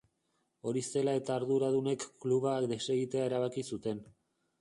Hori zela eta arduradunek kluba desegitea erabaki zuten.